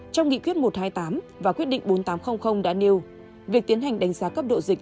trong nghị quyết một trăm hai mươi tám và quyết định bốn nghìn tám trăm linh đã nêu việc tiến hành đánh giá cấp độ dịch